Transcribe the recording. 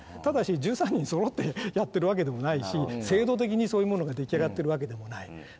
ただし１３人そろってやってるわけでもないし制度的にそういうものが出来上がってるわけでもない。